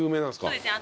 そうですね。